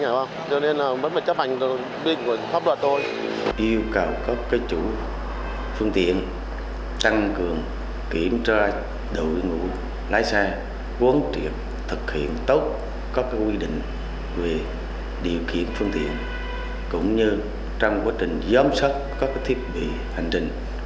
yêu cầu cấp cái chủ phương tiện trăng cường kiểm tra đội ngũ lái xe